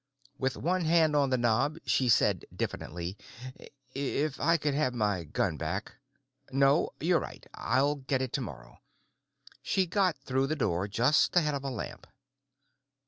With one hand on the knob, she said diffidently, "If I could have my gun back——? No, you're right! I'll get it tomorrow." She got through the door just ahead of a lamp.